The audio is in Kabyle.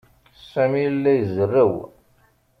Sami yella izerrew.